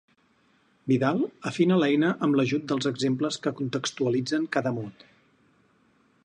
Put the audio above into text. Vidal afina l'eina amb l'ajut dels exemples que contextualitzen cada mot.